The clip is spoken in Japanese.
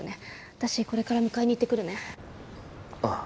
私これから迎えに行ってくるねああ